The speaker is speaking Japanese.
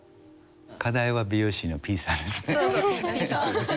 課題は美容師のピさんですね。